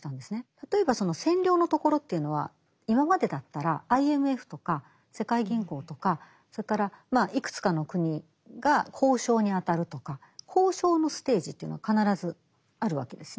例えばその占領のところというのは今までだったらＩＭＦとか世界銀行とかそれからまあいくつかの国が交渉に当たるとか交渉のステージというのは必ずあるわけですね。